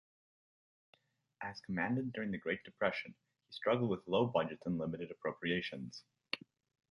As Commandant during the Great Depression, he struggled with low budgets and limited appropriations.